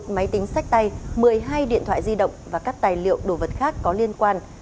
máy tính sách tay một mươi hai điện thoại di động và các tài liệu đồ vật khác có liên quan